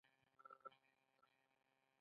په رنګ تور او په ونه نسبتاً غټ او چاغ سړی و.